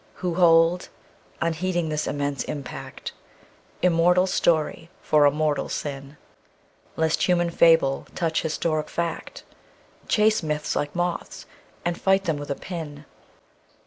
Who hold, unheeding this immense impact, Immortal story for a mortal sin; Lest human fable touch historic fact, Chase myths like moths, and fight them with a pin.